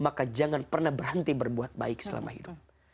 maka jangan pernah berhenti berbuat baik selama hidup